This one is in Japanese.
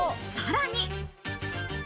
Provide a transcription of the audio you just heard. さらに。